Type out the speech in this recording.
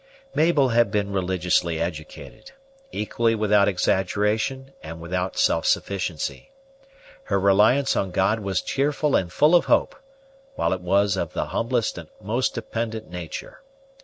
Mabel had been religiously educated; equally without exaggeration and without self sufficiency. Her reliance on God was cheerful and full of hope, while it was of the humblest and most dependent nature.